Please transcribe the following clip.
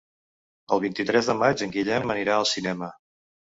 El vint-i-tres de maig en Guillem anirà al cinema.